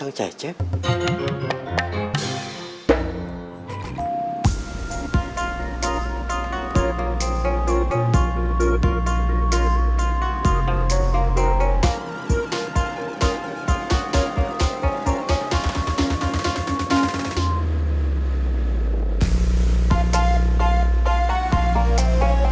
bagus atau enggak